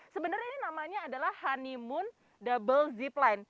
sebenarnya ini namanya adalah honeymoon double zipline